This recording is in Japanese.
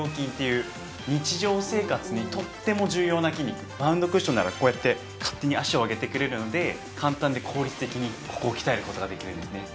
そこでバウンドクッションならこうやって勝手に脚を上げてくれるので簡単で効率的にここを鍛える事ができるんですね。